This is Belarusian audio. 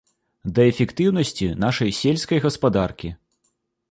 Да эфектыўнасці нашай сельскай гаспадаркі.